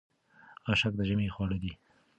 اشک د ژمي خواړه دي.